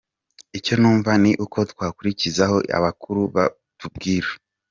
Icyo numva ni uko twakurikiza ibyo abakuru batubwira.